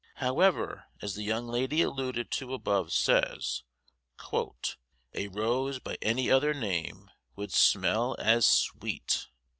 However, as the young lady alluded to above says, "a rose by any other name would smell as sweet."